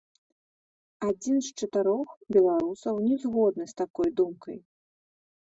Адзін з чатырох беларусаў нязгодны з такой думкай.